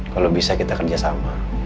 kalau bisa kita kerja sama